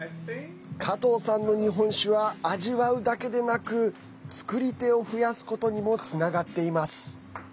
加藤さんの日本酒は味わうだけでなく造り手を増やすことにもつながっています。